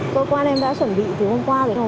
cơ quan em đã chuẩn bị từ hôm qua rồi